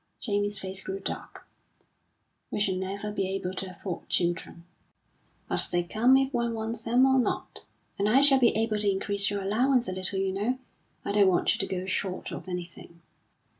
Jamie's face grew dark. "We should never be able to afford children." "But they come if one wants them or not, and I shall be able to increase your allowance a little, you know. I don't want you to go short of anything."